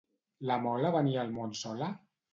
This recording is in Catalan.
La Mola venia al món sola?